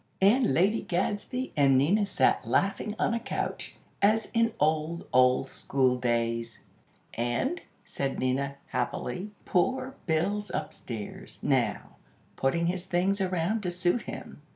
and Lady Gadsby and Nina sat laughing on a couch, as in old, old school days. "And," said Nina, happily; "poor Bill's upstairs, now, putting his things around to suit him.